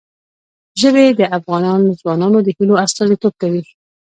ژبې د افغان ځوانانو د هیلو استازیتوب کوي.